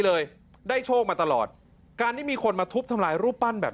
เลยได้โชคมาตลอดการที่มีคนมาทุบทำลายรูปปั้นแบบ